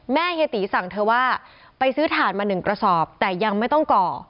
เฮียตีสั่งเธอว่าไปซื้อถ่านมา๑กระสอบแต่ยังไม่ต้องก่อ